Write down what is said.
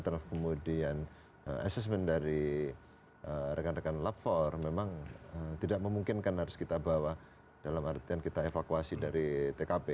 terus kemudian asesmen dari rekan rekan lapor memang tidak memungkinkan harus kita bawa dalam artian kita evakuasi dari tkp